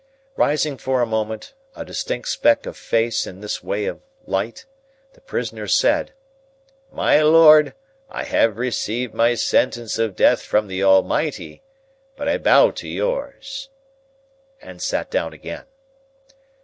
Rising for a moment, a distinct speck of face in this way of light, the prisoner said, "My Lord, I have received my sentence of Death from the Almighty, but I bow to yours," and sat down again.